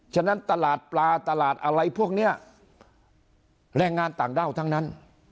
ฉะนั้นตลาดปลาตลาดอะไรพวกนี้แรงงานต่างด้าวทั้งนั้น